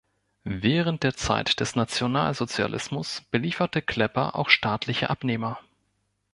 Während der Zeit des Nationalsozialismus belieferte Klepper auch staatliche Abnehmer.